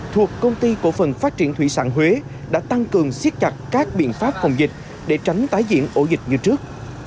thuộc công ty cổ phần phát triển thủy sản huế đã tăng cường siết chặt các biện pháp phòng dịch để tránh tái diễn ổ dịch như trước